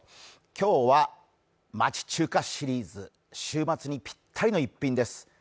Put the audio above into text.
今日は町中華シリーズ週末にぴったりの一品です。